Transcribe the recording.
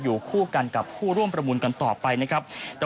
อยู่คู่กันกับผู้ร่วมประมูลกันต่อไปนะครับ